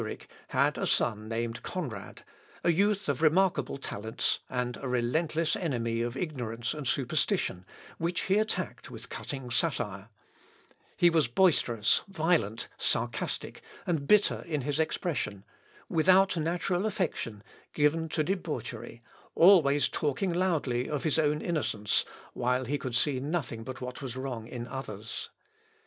[Sidenote: PREPARATIONS FOR BATTLE.] Senator Grebel, a man of great influence in Zurich, had a son named Conrad, a youth of remarkable talents, and a relentless enemy of ignorance and superstition, which he attacked with cutting satire. He was boisterous, violent, sarcastic, and bitter in his expression, without natural affection, given to debauchery, always talking loudly of his own innocence, while he could see nothing but what was wrong in others.